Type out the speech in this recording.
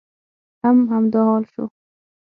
هم همدا حال شو.